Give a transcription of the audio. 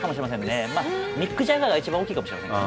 ミック・ジャガーが一番大きいかもしれませんけどね。